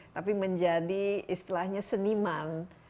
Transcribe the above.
tapi menjadi istilahnya seniman